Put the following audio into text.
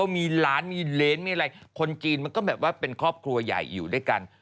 มีร้านมีเลนส์มีอะไรคนจีนมันก็แบบว่าเป็นครอบครัวใหญ่อยู่ด้วยกัน